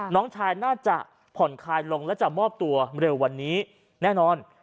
น้องชายน่าจะผ่อนคลายลงและจะมอบตัวเร็ววันนี้แน่นอน